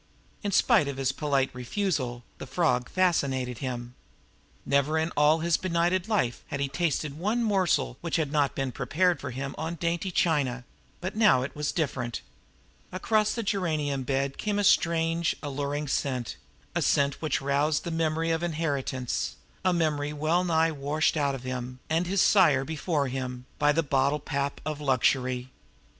In spite of his polite refusal, the frog fascinated him. Never in all his benighted life had he tasted one morsel which had not been prepared for him on dainty china; but now it was different. Across the geranium bed came a strange, alluring scent a scent which roused the memory of inheritance a memory well nigh washed out of him, and his sire before him, by the bottle pap of luxury.